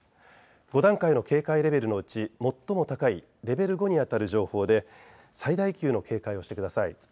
５段階の警戒レベルのうち最も高いレベル５にあたる情報で最大級の警戒をしてください。